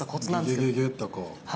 ギュギュギュギュっとこう。